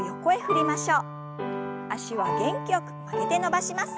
脚は元気よく曲げて伸ばします。